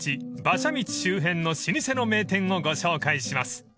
馬車道周辺の老舗の名店をご紹介します］